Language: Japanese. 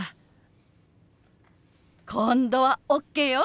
今度はＯＫよ！